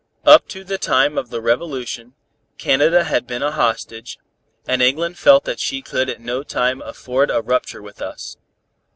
Up to the time of the revolution, Canada had been a hostage, and England felt that she could at no time afford a rupture with us.